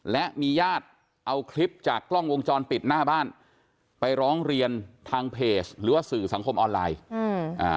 และมีญาติเอาคลิปจากกล้องวงจรปิดหน้าบ้านไปร้องเรียนทางเพจหรือว่าสื่อสังคมออนไลน์อืมอ่า